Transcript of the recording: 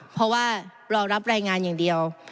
เพราะว่าเรารับรายงานอย่างเดียว